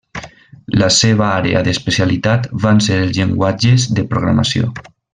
La seva àrea d'especialitat van ser els llenguatges de programació.